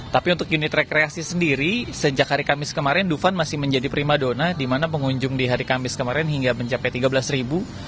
tapi untuk unit rekreasi sendiri sejak hari kamis kemarin duvan masih menjadi prima dona di mana pengunjung di hari kamis kemarin hingga mencapai tiga belas ribu